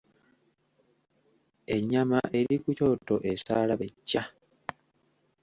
Ennyama eri ku kyoto esaala be cca